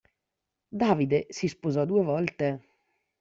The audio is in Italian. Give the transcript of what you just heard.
Davide si sposò due volte.